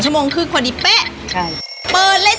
ซีอิ๊วหมดเลย